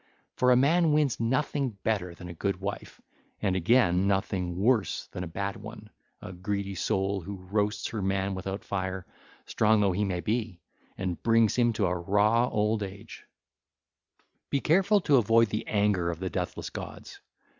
For a man wins nothing better than a good wife, and, again, nothing worse than a bad one, a greedy soul who roasts her man without fire, strong though he may be, and brings him to a raw 1335 old age. (ll. 706 714) Be careful to avoid the anger of the deathless gods.